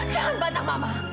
jangan bantah mama